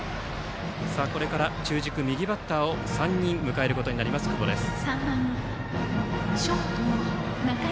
これから中軸、右バッター３人を迎えることになる久保です。